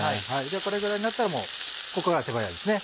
これぐらいになったらもうここからは手早いですね。